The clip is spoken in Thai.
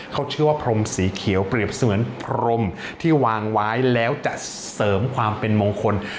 เขาเชื่อว่าพรมสีเขียวเปรียบเสมือนพรมที่วางไว้แล้วจะเสริมความเป็นมงคล